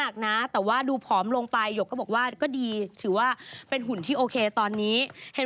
ข่าวแอมข่าวแอมโยกนี่